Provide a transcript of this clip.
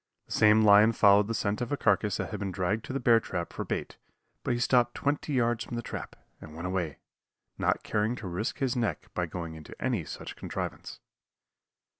The same lion followed the scent of a carcass that had been dragged to the bear trap for bait, but he stopped twenty yards from the trap, and went away, not caring to risk his neck by going into any such contrivance.